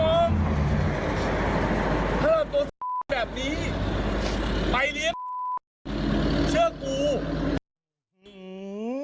ถ้าเราตัวแบบนี้ไปเลี้ยเชื่อกู